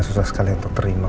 susah sekali untuk terima